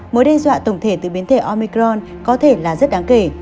mối đe dọa tổng thể từ biến thể omicron có thể là rất đáng kể